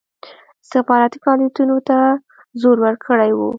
استخباراتي فعالیتونو ته زور ورکړی وو.